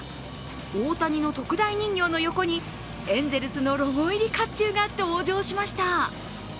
大谷の特大人形の横にエンゼルスのロゴ入りかっちゅうが登場しました。